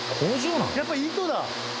やっぱり糸だ！